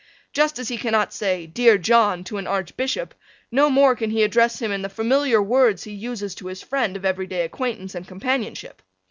Just as he cannot say "Dear John" to an Archbishop, no more can he address him in the familiar words he uses to his friend of everyday acquaintance and companionship.